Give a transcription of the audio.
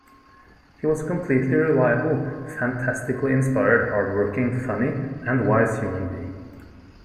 He was a completely reliable, fantastically inspired, hard-working, funny and wise human being.